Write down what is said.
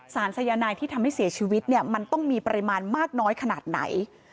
สายนายที่ทำให้เสียชีวิตเนี่ยมันต้องมีปริมาณมากน้อยขนาดไหน